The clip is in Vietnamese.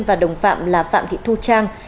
và đồng phạm là phạm thị thu trang